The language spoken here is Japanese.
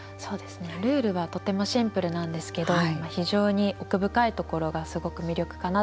ルールはとてもシンプルなんですけど非常に奥深いところがすごく魅力かなと思っていて。